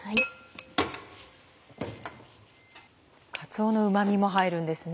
かつおのうま味も入るんですね。